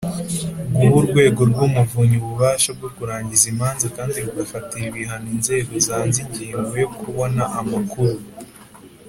Guha urwego rw umuvunyi ububasha bwo kurangiza imanza kandi rugafatira ibihano inzego zanze ingingo yo kubona amakuru